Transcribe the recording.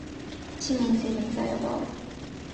清明节连假要到了